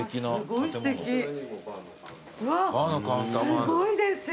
すごいですよ